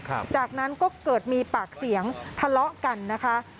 จากนั้นก็เกิดมีปากเสียงทะเลาะกันนะคะ